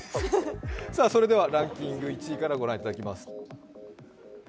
それではランキング１位からご覧いただきます。